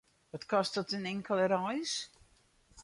Wat kostet in inkelde reis?